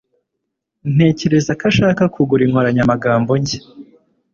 Ntekereza ko ashaka kugura inkoranyamagambo nshya.